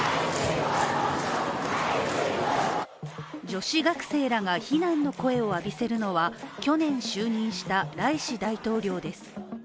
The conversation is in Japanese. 女子学生らが非難の声を浴びせるのは去年就任した、ライシ大統領です。